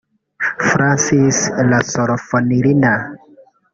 Francis Rasolofonirina